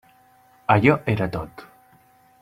Allò era tot.